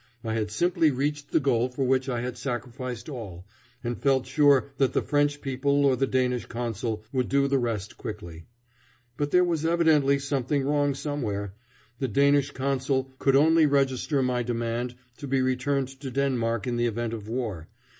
I had simply reached the goal for which I had sacrificed all, and felt sure that the French people or the Danish Consul would do the rest quickly. But there was evidently something wrong somewhere. The Danish Consul could only register my demand to be returned to Denmark in the event of war.